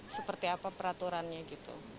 seperti apa peraturannya gitu